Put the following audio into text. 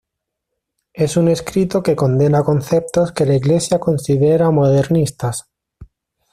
Es un escrito que condena conceptos que la Iglesia considera modernistas.